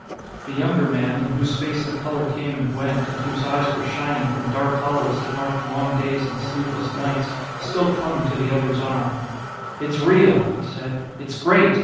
The younger man, in whose face the color came and went, and whose eyes were shining from dark hollows that marked long days and sleepless nights, still clung to the other's arm. "It's real," he said; "it's great!